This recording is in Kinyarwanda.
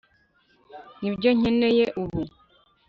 Nibyo nkeneye ubu